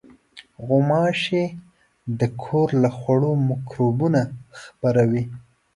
غوماشې د کور له خوړو مکروبونه خپروي.